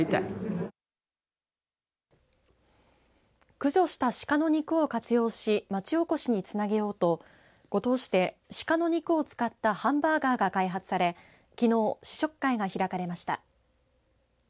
駆除したシカの肉を活用し町おこしにつなげようと五島市でシカの肉を使ったハンバーガーが開発されきのう試食会が開かれました。